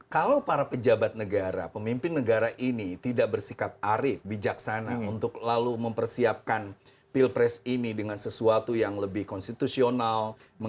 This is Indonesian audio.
kalau para pejabat negara pemimpin negara ini tidak bersikap arif bijaksana untuk lalu mempersiapkan pilpres ini dengan sesuatu yang lebih konstitusional